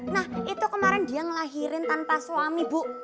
nah itu kemarin dia ngelahirin tanpa suami bu